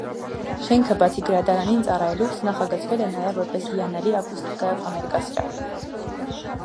Շենքը, բացի գրադարանին ծառայելուց, նախագծվել է նաև որպես հիանալի ակուստիկայով համերգասրահ։